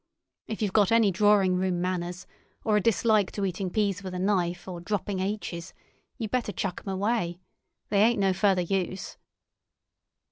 If you've got any drawing room manners or a dislike to eating peas with a knife or dropping aitches, you'd better chuck 'em away. They ain't no further use."